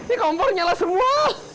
ini kompor nyala semua